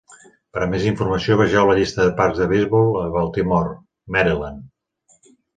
Per a més informació, vegeu la llista de parcs de beisbol a Baltimore, Maryland.